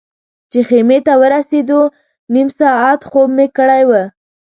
چې خیمې ته ورسېدو نیم ساعت خوب مې کړی و.